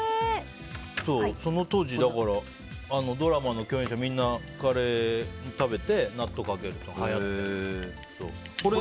その当時ドラマの共演者みんなカレー食べて納豆かけてっていうのがはやって。